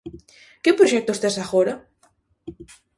Que proxectos tes agora?